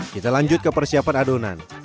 kita lanjut ke persiapan adonan